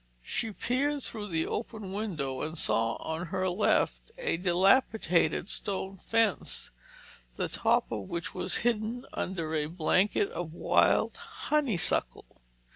She peered through the open window and saw on her left a dilapidated stone fence, the top of which was hidden under a blanket of wild honeysuckle.